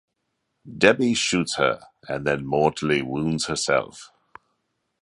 Debby shoots her and then mortally wounds herself.